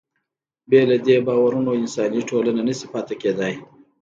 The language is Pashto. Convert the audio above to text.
بې له دې باورونو انساني ټولنه نهشي پاتې کېدی.